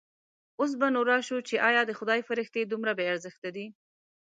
اوس به نو راشو چې ایا د خدای فرښتې دومره بې ارزښته دي.